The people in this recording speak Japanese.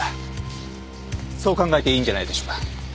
そう考えていいんじゃないでしょうか。